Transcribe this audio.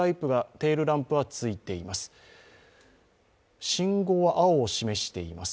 テールランプはついています。